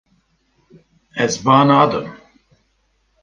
Ez ba nadim.